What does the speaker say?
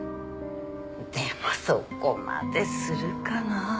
でもそこまでするかな？